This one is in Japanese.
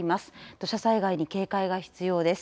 土砂災害に警戒が必要です。